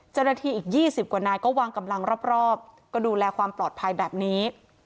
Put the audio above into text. เจ้าหน้าที่อีก๒๐กว่านายก็วางกำลังรอบก็ดูแลความปลอดภัยแบบนี้